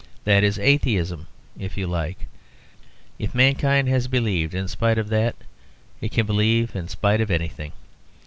That is Atheism if you like. If mankind has believed in spite of that, it can believe in spite of anything.